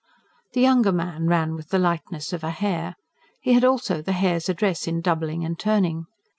The younger man ran with the lightness of a hare. He had also the hare's address in doubling and turning.